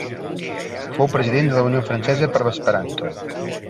Fou president de la Unió Francesa per a l'Esperanto.